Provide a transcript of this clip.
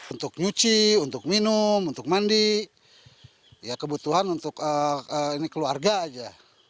untuk nyuci untuk minum untuk mandi ya kebutuhan untuk keluarga aja